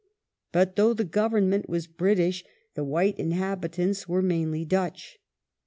But though the Government was British, the white inhabitants were mainly Dutch.